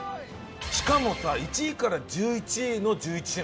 しかもさ１位から１１位の１１品だからね。